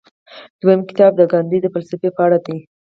دویم کتاب د ګاندي د فلسفې په اړه دی.